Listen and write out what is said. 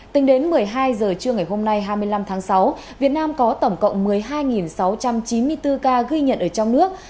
tính đến một mươi hai h trưa ngày hôm nay hai mươi năm tháng sáu việt nam có tổng cộng một mươi hai sáu trăm chín mươi bốn ca ghi nhận ở trong nước